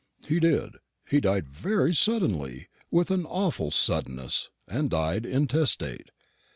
"He did. He died very suddenly with an awful suddenness and died intestate.